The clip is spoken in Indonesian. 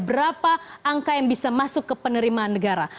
berapa angka yang bisa masuk ke penerimaan negara